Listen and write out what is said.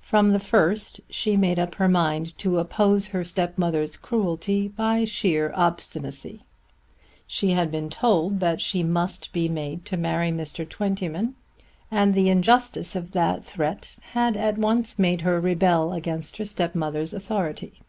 From the first she made up her mind to oppose her stepmother's cruelty by sheer obstinacy. She had been told that she must be made to marry Mr. Twentyman, and the injustice of that threat had at once made her rebel against her stepmother's authority.